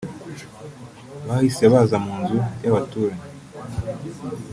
Bahise baza mu nzu y’abaturanyi